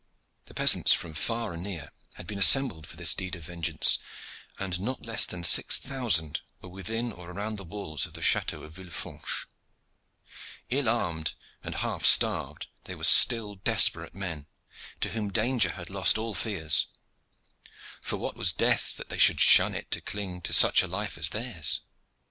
The peasants from far and near had been assembled for this deed of vengeance, and not less than six thousand were within or around the walls of the Chateau of Villefranche. Ill armed and half starved, they were still desperate men, to whom danger had lost all fears: for what was death that they should shun it to cling to such a life as theirs?